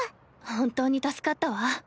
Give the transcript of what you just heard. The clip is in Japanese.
本当に助かったわ。